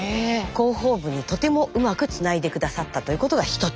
広報部にとてもうまくつないで下さったということが一つ。